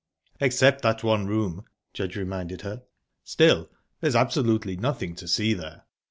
"Except that one room," Judge reminded her. "Still, there's absolutely nothing to see there."